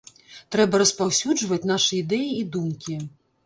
Трэба распаўсюджваць нашы ідэі і думкі.